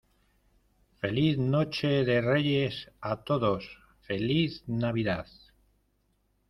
feliz noche de Reyes a todos. feliz Navidad .